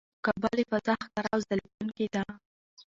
کعبه له فضا ښکاره او ځلېدونکې ده.